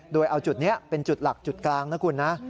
โดยเอาจุดนี้เป็นจุดหลักจุดกลางนะคุณนะ